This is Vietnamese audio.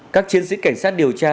các chiến sĩ cảnh sát điều tra